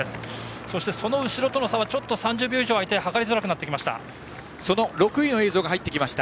そして、その後ろとの差は３０秒以上開いて計りづらくなってきました。